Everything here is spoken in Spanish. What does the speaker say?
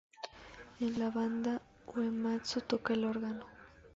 En la banda, Uematsu toca el órgano.